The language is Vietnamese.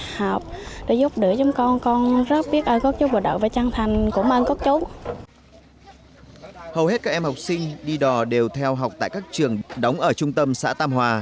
hầu hết các em học sinh đi đò đều theo học tại các trường đóng ở trung tâm xã tam hòa